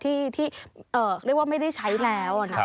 ที่เรียกว่าไม่ได้ใช้แล้ว